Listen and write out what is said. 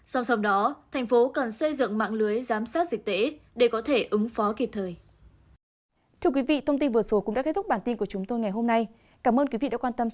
song song đó thành phố cần xây dựng mạng lưới giám sát dịch tễ để có thể ứng phó kịp thời